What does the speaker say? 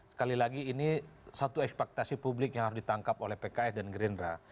sekali lagi ini satu ekspektasi publik yang harus ditangkap oleh pks dan gerindra